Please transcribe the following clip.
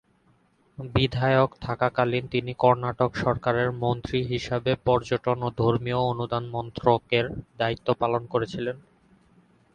বিধায়ক থাকাকালীন তিনি কর্ণাটক সরকারের মন্ত্রী হিসাবে পর্যটন ও ধর্মীয় অনুদান মন্ত্রকের দায়িত্ব পালন করেছিলেন।